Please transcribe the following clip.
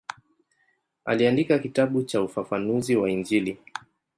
Aliandika kitabu cha ufafanuzi wa Injili.